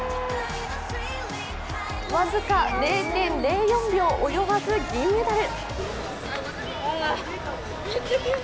僅か０．０４秒及ばず、銀メダル。